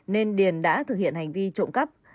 nên điền đã thực hiện hành vi trộm cắp